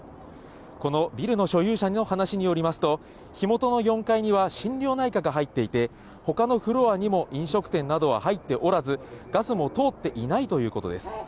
このビルの所有者の話によりますと、火元の４階には、心療内科が入っていて、ほかのフロアにも飲食店などは入っておらず、ガスも通っていないということです。